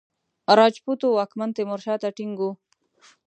راجپوتو واکمن تیمورشاه ته ټینګ وو.